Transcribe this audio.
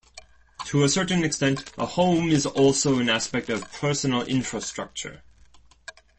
To a certain extent, a home is also an aspect of personal infrastructure.